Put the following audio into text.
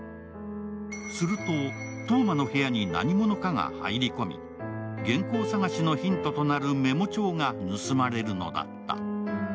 すると、燈真の部屋に何者かが入り込み、原稿探しのヒントとなるメモ帳が盗まれるのだった。